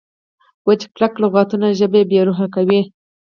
وچ کلک لغتونه ژبه بې روحه کوي.